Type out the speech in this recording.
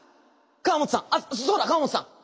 鎌本さんあっそうだ鎌本さん！